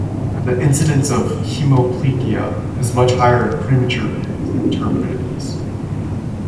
The incidence of hemiplegia is much higher in premature babies than term babies.